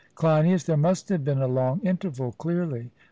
CLEINIAS: There must have been a long interval, clearly.